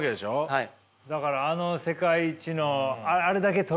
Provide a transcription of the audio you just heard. はい。